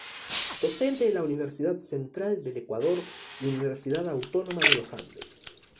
Docente en la Universidad Central del Ecuador y Universidad Autónoma de los Andes.